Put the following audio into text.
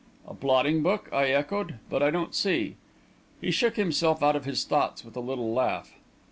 "A blotting book?" I echoed. "But I don't see...." He shook himself out of his thoughts with a little laugh.